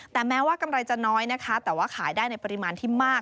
แต่แม้ว่ากำไรจะน้อยนะคะแต่ว่าขายได้ในปริมาณที่มาก